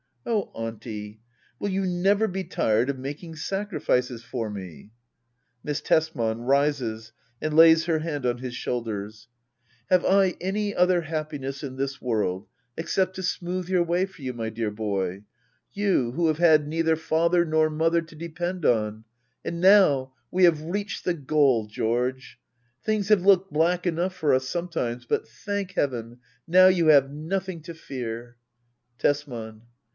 Oh Auntie — will you never be tired of making sacrifices for me * Miss Tesman* [Rises and lays her hand on his shoulders,] Have Digitized by Google ACT I.] HEDDA OABLER. 17 I any other happiness in this world except to smooth your way for you, my dear boy ? You, who have had neither father nor mother to depend on. And now we have reached the goal, George ! Things have looked black enough for us, some times ; but, thank heaven, now you have nothing to fear. Tesman.